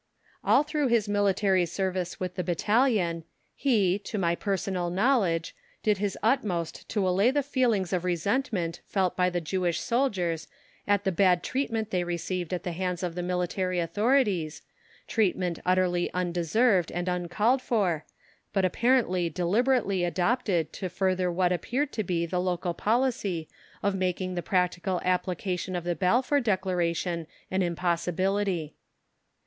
All through his military service with the Battalion he, to my personal knowledge, did his utmost to allay the feelings of resentment felt by the Jewish soldiers at the bad treatment they received at the hands of the military authorities, treatment utterly undeserved and uncalled for, but apparently deliberately adopted to further what appeared to be the local policy of making the practical application of the Balfour Declaration an impossibility.